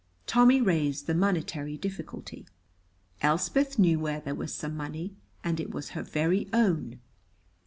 Tommy raised the monetary difficulty. Elspeth knew where there was some money, and it was her very own.